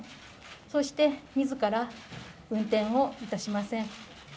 そして、自ら運転をいたしません。